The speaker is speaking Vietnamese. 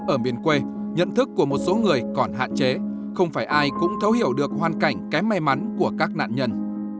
ở miền quê nhận thức của một số người còn hạn chế không phải ai cũng thấu hiểu được hoàn cảnh kém may mắn của các nạn nhân